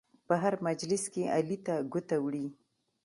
په هر مجلس کې علي ته ګوته وړي.